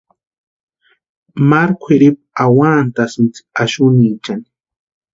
Maru kwʼiripu awantasïnti axuniechani.